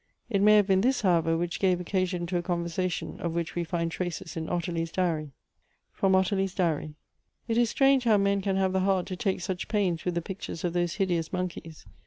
It may have been this, however, which gave occasion to a conversation of which we find traces in Ottilie's diary. FROM ottilie's DIAET. "It is strange how men can have the heart to take such pains with the pictures of those hideous monkeys.